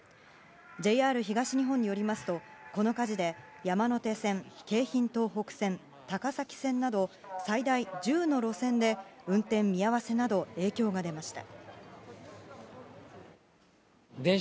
ＪＲ東日本によりますとこの火事で山手線、京浜東北線、高崎線など最大１０の路線で運転見合わせなど影響が出ました。